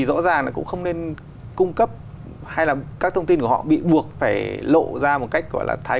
rõ ràng là cũng không nên cung cấp hay là các thông tin của họ bị buộc phải lộ ra một cách gọi là thái